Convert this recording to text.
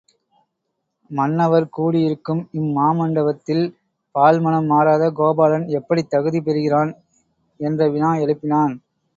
மன்னவர் கூடியிருக்கும் இம் மாமண்டபத்தில் பால் மணம் மாறாத கோபாலன் எப்படித் தகுதி பெறுகிறான் என்ற வினா எழுப்பினான்.